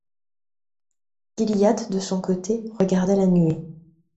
Gilliatt de son côté regardait la nuée.